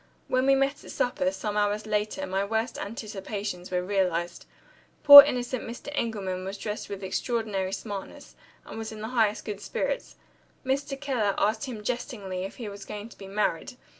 When we met at supper, some hours later, my worst anticipations were realized. Poor innocent Mr. Engelman was dressed with extraordinary smartness, and was in the highest good spirits. Mr. Keller asked him jestingly if he was going to be married.